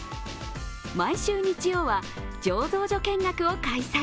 毎週日曜は醸造所見学を開催。